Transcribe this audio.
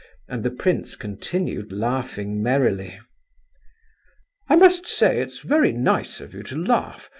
And the prince continued laughing merrily. "I must say it's very nice of you to laugh.